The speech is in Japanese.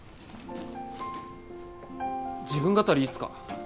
自分語りいいっすか？